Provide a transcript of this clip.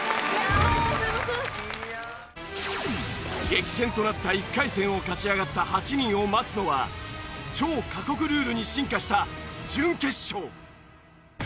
激戦となった１回戦を勝ち上がった８人を待つのは超過酷ルールに進化した準決勝。